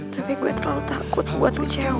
tapi gue terlalu takut buat cewek